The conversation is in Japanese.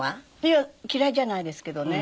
いや嫌いじゃないですけどね。